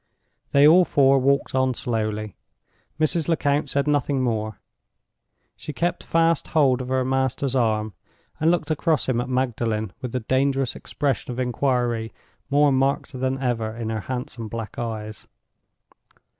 They all four walked on slowly. Mrs. Lecount said nothing more. She kept fast hold of her master's arm, and looked across him at Magdalen with the dangerous expression of inquiry more marked than ever in her handsome black eyes.